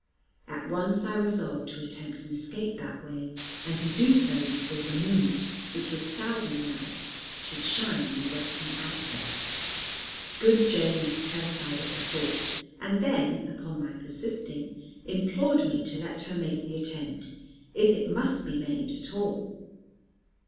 At once I resolved to attempt an escape that way, and to do so before the moon, which was southing now, should shine on the western aspect. Good Jane was terrified at the thought; and then, upon my persisting, implored me to let her make the attempt, if it must be made at all.